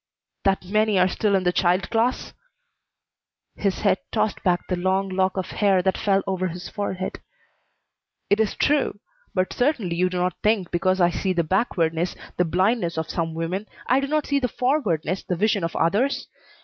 "That many are still in the child class?" His head tossed back the long lock of hair that fell over his forehead. "It is true, but certainly you do not think because I see the backwardness, the blindness of some women, I do not see the forwardness, the vision of others?